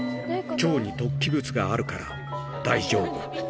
腸に突起物があるから大丈夫。